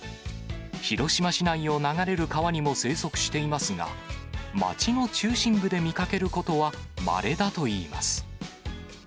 広島市内を流れる川にも生息していますが、街の中心部で見かけることはまれだといいます。